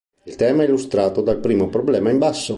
Il tema è illustrato dal primo problema in basso.